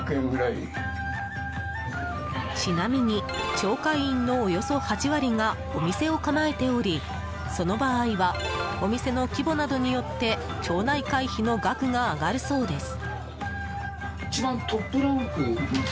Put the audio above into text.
ちなみに町会員のおよそ８割がお店を構えておりその場合はお店の規模などによって町内会費の額が上がるそうです。